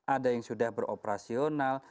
ada yang sudah beroperasional